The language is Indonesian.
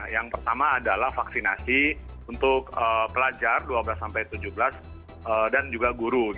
yang pertama adalah vaksinasi untuk pelajar dua belas tujuh belas dan juga guru